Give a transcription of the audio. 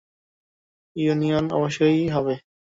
Union অবশ্যই হবে।